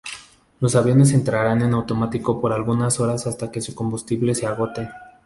Los aviones entrarán en automático por algunas horas hasta que su combustible se agote.